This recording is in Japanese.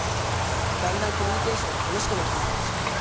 だんだんコミュニケーションが楽しくなっていきました。